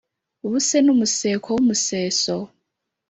buse n’umuseke w’umuseso